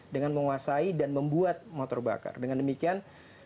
dengan menguasai dan membuat motor bakar dengan demikian